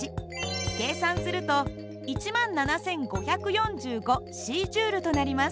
計算すると１７，５４５ｃＪとなります。